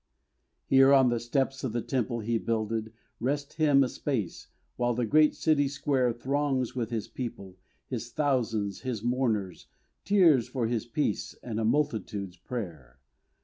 Here on the steps of the temple he builded, Rest him a space, while the great city square Throngs with his people, his thousands, his mourners; Tears for his peace and a multitude's prayer.